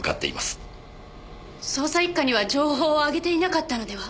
捜査一課には情報はあげていなかったのでは？